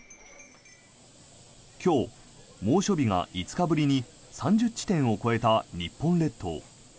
今日、猛暑日が５日ぶりに３０地点を超えた日本列島。